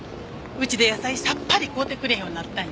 うちで野菜さっぱり買うてくれへんようになったんよ。